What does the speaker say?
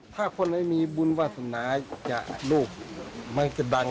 ถ้าคนไม่มีบุญวาสนาจะลูกไม่จะดัง